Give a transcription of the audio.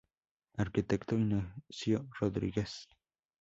Arquitecto, Ignacio Rodríguez.